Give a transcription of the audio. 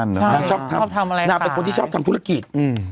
นางชอบทำชอบทำอะไรนางเป็นคนที่ชอบทำธุรกิจอืม